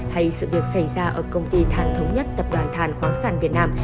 hay sự việc xảy ra ở công ty than thống nhất tập đoàn thàn khoáng sản việt nam